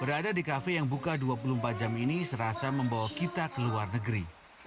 berada di kafe yang buka dua puluh empat jam ini serasa membawa kita ke luar negeri